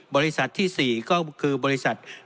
บริษัทที่๔ก็คือบริษัท